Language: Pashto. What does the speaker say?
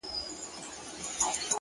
هره تجربه د شخصیت نوی اړخ جوړوي.!